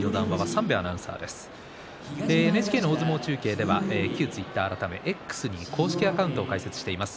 ＮＨＫ大相撲中継では旧ツイッター改めＸに公式アカウントを開設しています。